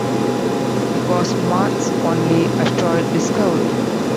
It was Marth's only asteroid discovery.